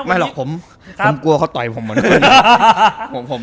ไม่หรอกผมกลัวเขาต่อยผมเหมือนกัน